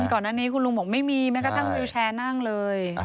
ก่อนหน้านี้คุณลุงบอกไม่มีแม้กระทั่งวิวแชร์นั่งเลย